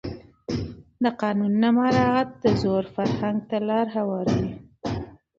د قانون نه مراعت د زور فرهنګ ته لاره هواروي